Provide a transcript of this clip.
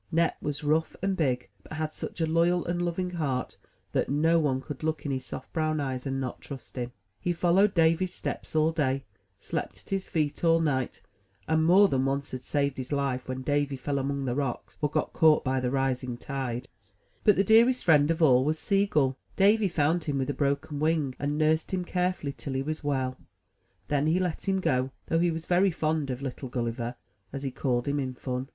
Nep was rough and big, but had such a loyal and loving heart that no one could look in his soft brown eyes and not trust him. He followed Davy's steps all day, slept at his feet all night, and more than once had saved his life when Davy fell among the rocks, or got caught by the rising tide. *From Aunt Jo^a Scrap Bag. Used by permission of the publishers, Little, Brown & Co. 8s MY BOOK HOUSE But the dearest friend of all was a sea gull. Davy found him, with a broken wing, and nursed him carefully till he was well; then let him go, though he was very fond of "Little Gulliver, *' as he called him in fun.